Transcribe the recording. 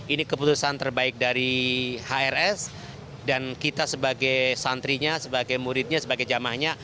ini keputusan terbaik dari hrs dan kita sebagai santrinya sebagai muridnya sebagai jamahnya